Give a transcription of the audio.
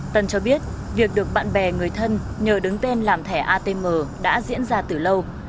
tân cho biết việc được bạn bè người thân nhờ đứng tên làm thẻ atm đã diễn ra từ lâu